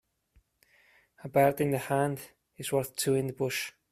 A bird in the hand is worth two in the bush.